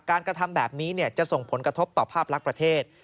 สนักธรรมแบบนี้เนี่ยจะส่งผลกระทบต่อผ้าพลักษณ์ประเทศ